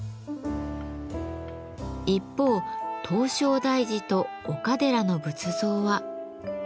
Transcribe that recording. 一方唐招提寺と岡寺の仏像は。